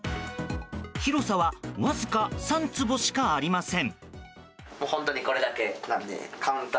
広さはわずか３坪しかありません。